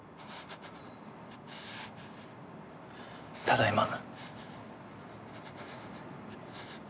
ただいま。